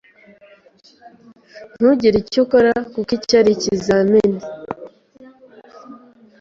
"Ntugire icyo ukora kuko iki ari ikizamini?"